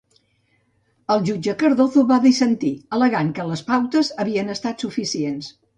El jutge Cardozo va dissentir, al·legant que les pautes havien estat suficients.